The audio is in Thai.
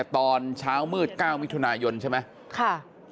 ตอนเช้ามืด๙มิถุนายนใช่ไหม